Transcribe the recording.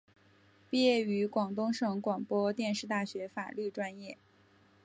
毕业于广东省广播电视大学法律专业。